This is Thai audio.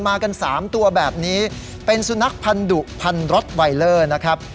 มากันสามตัวแบบนี้เป็นสุนัขพันธุพันรสไวเลอร์นะครับ